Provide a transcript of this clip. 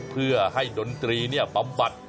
เพื่อให้ดนตรีปั๊มบัตร